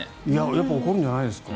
やっぱり怒るんじゃないですか？